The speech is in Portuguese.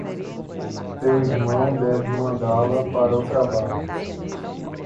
Seu irmão deve mandá-la para o trabalho.